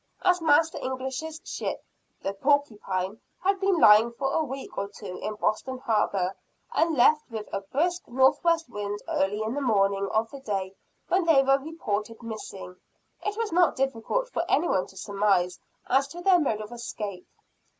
As Master English's ship, "The Porcupine," had been lying for a week or two in Boston harbor, and left with a brisk northwest wind early in the morning of the day when they were reported missing, it was not difficult for anyone to surmise as to their mode of escape.